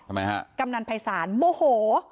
ทำไมฮะกำนันภัยศาลโมโห